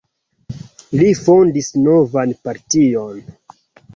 Li fondis novan partion.